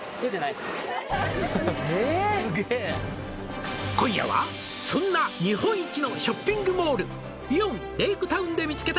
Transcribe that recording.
・すげえ「今夜はそんな日本一のショッピングモール」「イオンレイクタウンで見つけた」